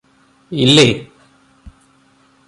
ഇല്ലേ